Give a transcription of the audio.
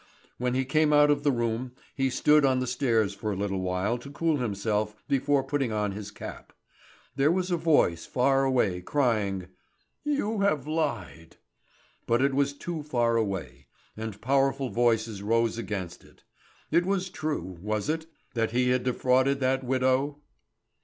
When he came out of the room he stood on the stairs for a little while to cool himself before putting on his cap. There was a voice far away, crying: "You have lied!" But it was too far away, and powerful voices rose against it. It was true, was it, that he had defrauded that widow?